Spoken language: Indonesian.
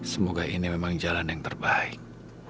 semoga ini memang jalan yang terbaik